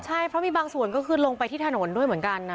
ใช่เพราะมีบางส่วนก็คือลงไปที่ถนนด้วยเหมือนกันนะ